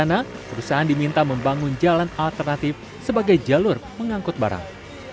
pada sidang pertama perusahaan diminta membangun jalan alternatif sebagai jalur mengangkut barang